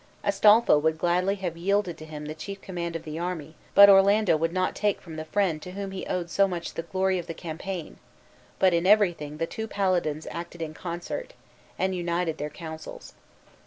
Astolpho would gladly have yielded to him the chief command of the army, but Orlando would not take from the friend to whom he owed so much the glory of the campaign; but in everything the two paladins acted in concert, and united their counsels.